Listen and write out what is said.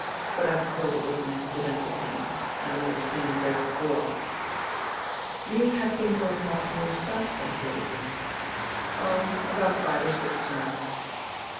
But I suppose it was an accidental thing. I have never seen him there before." "You have been going often yourself, then, lately?" "Oh, about five or six times."